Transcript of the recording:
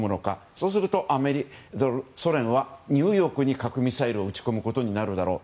そうすると、ソ連はニューヨークに核ミサイルを撃ち込むことになるだろう。